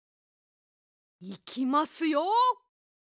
いきますよ。